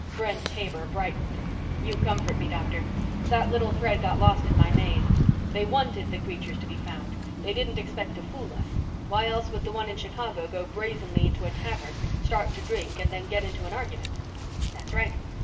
Brent Taber brightened. "You comfort me, Doctor. That little thread got lost in my maze. They wanted the creatures to be found. They didn't expect to fool us. Why else would the one in Chicago go brazenly into a tavern, start to drink and then get into an argument?" "That's right.